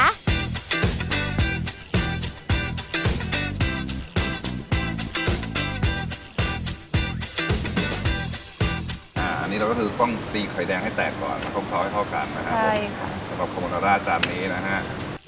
อันนี้เราก็คือต้องตีไข่แดงให้แตกก่อนคลุกเคล้าให้เข้ากันนะครับผมสำหรับโคโมนาราจานนี้นะฮะ